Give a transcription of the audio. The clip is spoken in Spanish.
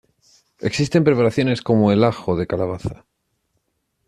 Existen preparaciones como el ajo de calabaza.